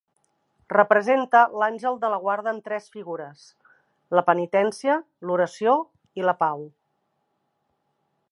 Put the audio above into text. Representa l'àngel de la guarda amb tres figures: la penitència, l'oració i la pau.